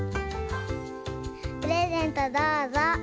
プレゼントどうぞ。